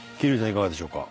いかがでしょうか？